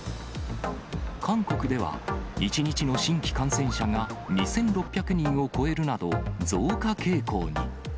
韓国では、１日の新規感染者が２６００人を超えるなど、増加傾向に。